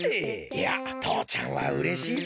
いやとうちゃんはうれしいぞ。